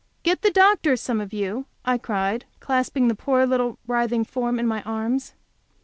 "Get the doctor, some of you," I cried, clasping the poor little writhing form in my arms.